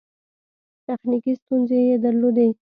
تخنیکي ستونزې یې درلودې.